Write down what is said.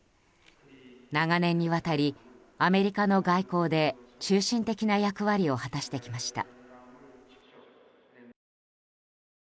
長年にわたり、アメリカの外交で中心的な役割を果たしてきました。